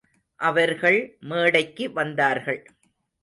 அவர்கள் மேடைக்கு வந்தார்கள்.